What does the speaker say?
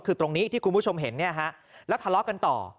คือตรงนี้ที่คุณผู้ชมเห็นเนี่ยฮะแล้วทะเลาะกันต่อ